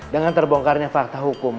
dengan terbongkarnya fakta hukum